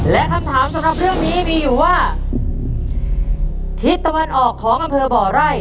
และคำถามสำหรับเรื่องนี้มีอยู่ว่าทิศตะวันออกของอำเภอบ่อไร่